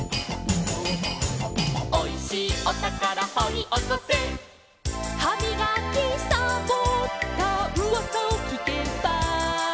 「おいしいおたからほりおこせ」「はみがきさぼったうわさをきけば」